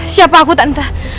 siapa aku tante